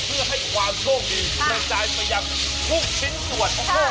เพื่อให้ความโชคดีเพื่อจ่ายไปอย่างคู่ชิ้นส่วน